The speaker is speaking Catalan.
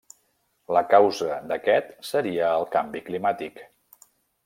La causa d'aquest seria el canvi climàtic.